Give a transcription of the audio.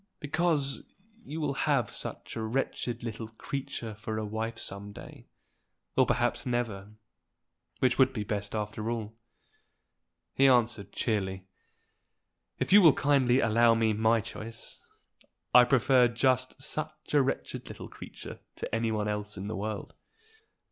"Because you will have such a wretched little creature for a wife some day, or perhaps never, which would be best after all." He answered cheerily. "If you will kindly allow me my choice, I prefer just such a wretched little creature to any one else in the world."